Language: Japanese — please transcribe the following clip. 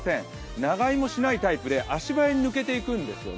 長居もしないタイプで足早に抜けていくんですよね。